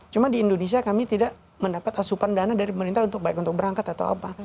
cuma di indonesia kami tidak mendapat asupan dana dari pemerintah untuk baik untuk berangkat atau apa